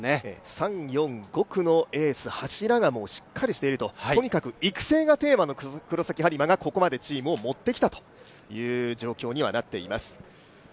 ３、４、５区のエース、柱がしっかりしているととにかく育成がテーマの黒崎播磨がここまでチームを持ってきたという状況にはなっています。